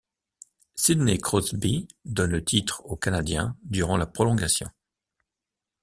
Sidney Crosby donne le titre aux Canadiens durant la prolongation.